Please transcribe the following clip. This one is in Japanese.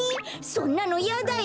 そんなのいやだよ！